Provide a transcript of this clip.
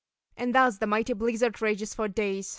And thus the mighty blizzard rages for days.